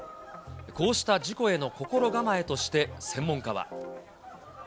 こうした事故への心構えとして専門家は。